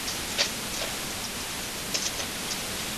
十一年乙酉科乡试举人。